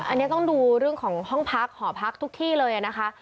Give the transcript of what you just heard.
อันนี้ต้องดูเรื่องของห้องพักหอพักทุกที่เลยนะคะ